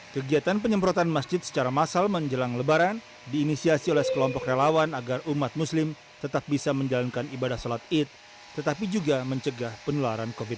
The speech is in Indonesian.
kegiatan penyemprotan masjid secara massal menjelang lebaran diinisiasi oleh sekelompok relawan agar umat muslim tetap bisa menjalankan ibadah sholat id tetapi juga mencegah penularan covid sembilan belas